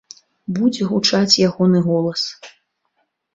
Будзе гучаць ягоны голас.